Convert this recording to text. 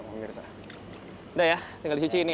udah ya tinggal disuci ini ya